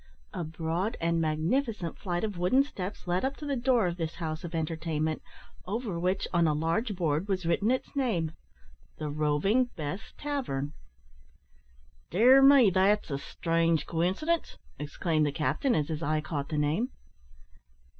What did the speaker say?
A broad and magnificent flight of wooden steps led up to the door of this house of entertainment, over which, on a large board, was written its name "The Roving Bess Tavern." "Dear me! that's a strange coincidence," exclaimed the captain, as his eye caught the name.